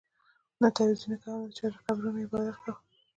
نه تعویذونه کېدل او نه چا د قبرونو عبادت کاوه.